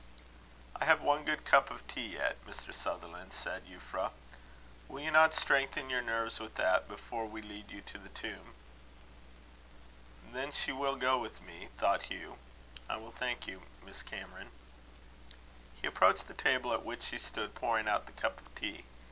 "I have one good cup of tea yet, Mr. Sutherland," said Euphra. "Will you not strengthen your nerves with that, before we lead you to the tomb?" "Then she will go with me," thought Hugh. "I will, thank you, Miss Cameron." He approached the table at which she stood pouring out the cup of tea.